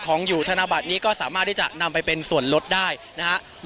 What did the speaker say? ของอยู่ธนบัตรนี้ก็สามารถที่จะนำไปเป็นส่วนลดได้นะครับ